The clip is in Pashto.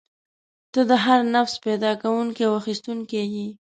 ته د هر نفس پیدا کوونکی او اخیستونکی یې.